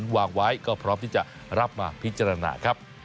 สมาคมฟุตบอลนั้นวางไว้ก็พร้อมที่จะรับมาพิจารณาครับ